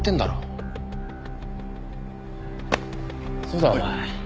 そうだお前。